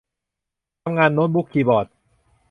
- ทำงาน : โน๊ตบุ๊ก คีย์บอร์ด